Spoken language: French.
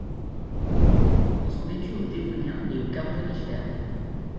Ils ont vécu au Dévonien et au Carbonifère.